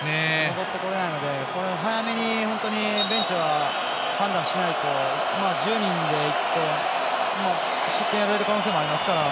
戻ってこれないので早めにベンチは判断しないと１０人でいくと失点やられる可能性はありますから。